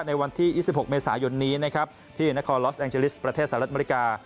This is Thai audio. ในวันที่๒๖เมษายนนี้นะครับที่นครลอสแองเจลิสประเทศสหรัฐอเมริกา